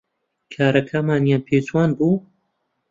کارەکەمانیان پێ جوان بوو